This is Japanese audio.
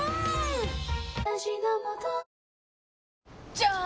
じゃーん！